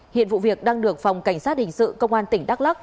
hiện vụ việc đang được phòng cảnh sát hình sự công an tỉnh đắk lắc